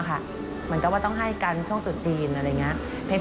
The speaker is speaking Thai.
เหมือนกับว่าต้องให้กันช่วงจุดจีนอะไรอย่างนี้